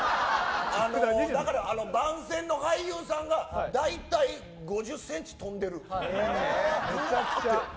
大体、番宣の俳優さんが５０ｃｍ飛んでる。